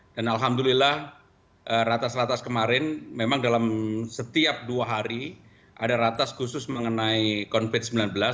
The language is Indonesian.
dan alhamdulillah ratas ratas kemarin memang dalam setiap dua hari ada ratas khusus mengenai konfit xix